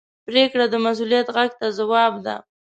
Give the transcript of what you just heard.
پرېکړه د مسؤلیت غږ ته ځواب ده.